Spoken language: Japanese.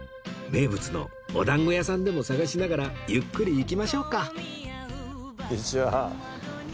名物のおだんご屋さんでも探しながらゆっくりいきましょうか